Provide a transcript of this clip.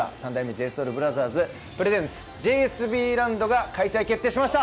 ＪＳＯＵＬＢＲＯＴＨＥＲＳＰＲＥＳＥＮＴＳ“ＪＳＢＬＡＮＤ”が開催決定しました！